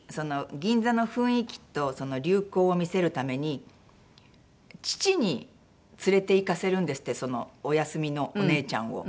銀座の雰囲気と流行を見せるために父に連れていかせるんですってお休みのお姉ちゃんを。